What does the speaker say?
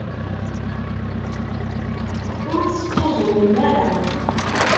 Ur tettuẓumem ara.